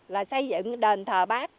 là xây dựng đền thờ bác